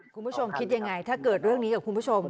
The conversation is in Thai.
คุณผู้ชมคิดยังไงถ้าเกิดเรื่องนี้กับคุณผู้ชม